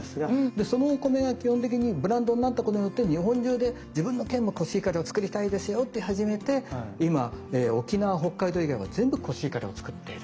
でそのお米が基本的にブランドになったことによって日本中で自分の県もコシヒカリを作りたいですよって始めて今沖縄北海道以外は全部コシヒカリを作ってる。